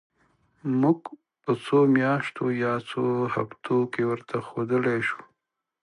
موږ په څو میاشتو یا څو هفتو کې ورته ښودلای شو.